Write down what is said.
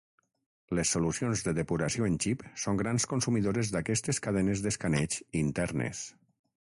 Les solucions de depuració en xip són grans consumidores d'aquestes cadenes d'escaneig internes.